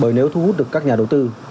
bởi nếu thu hút được các nhà đầu tư